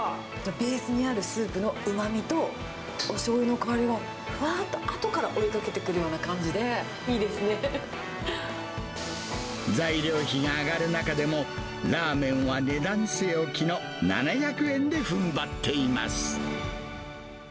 ベースにあるスープのうまみと、おしょうゆの香りがふわっと、あとから追いかけてくるような感材料費が上がる中でも、ラーメンは値段据え置きの７００円でふんばっています。